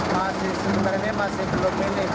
masih sebenarnya masih belum minim